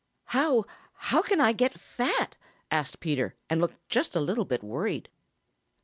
"How how can I get fat?" asked Peter, and looked just a little bit worried.